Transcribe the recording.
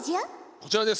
こちらです。